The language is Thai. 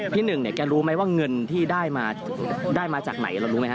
พี่นึงแกรู้ไหมว่าเงินได้มาได้มาจากไหนระรับรู้ไหมคะ